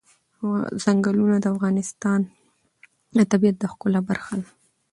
ځنګلونه د افغانستان د طبیعت د ښکلا برخه ده.